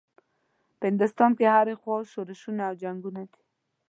په هندوستان کې هره خوا شورشونه او جنګونه دي.